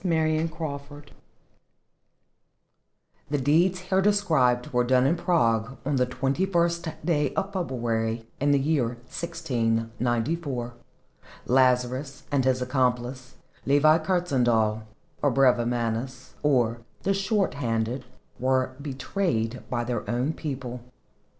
CHAPTER XV[*] [*] The deeds here described were done in Prague on the twenty first day of February in the year 1694. Lazarus and his accomplice Levi Kurtzhandel, or Brevimanus, or "the short handed," were betrayed by their own people.